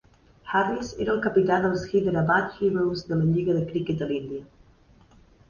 Harris era el capità dels Hyderabad Heroes de la lliga de cricket de l'Índia.